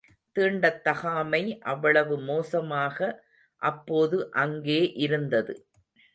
தீண்டத்தகாமை அவ்வளவு மோசமாக அப்போது அங்கே இருந்தது.